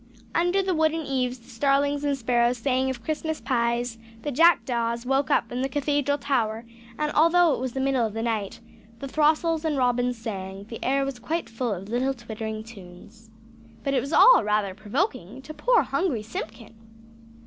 Under the wooden eaves the starlings and sparrows sang of Christmas pies; the jack daws woke up in the Cathedral tower; and although it was the middle of the night the throstles and robins sang; the air was quite full of little twittering tunes. But it was all rather provoking to poor hungry Simpkin!